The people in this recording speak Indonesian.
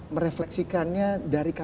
merefleksikannya dari kacau